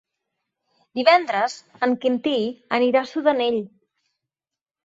Divendres en Quintí anirà a Sudanell.